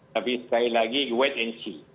tapi sekali lagi wait and see